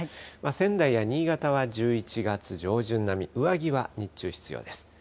仙台や新潟は１１月上旬並み、上着は日中、必要です。